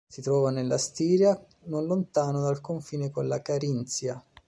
Si trova nella Stiria non lontano dal confine con la Carinzia.